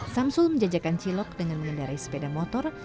samsul menjajakan cilok dengan mengendarai sepeda motor